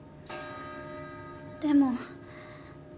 でも。